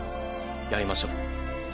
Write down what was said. やりましょう。